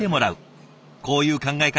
こういう考え方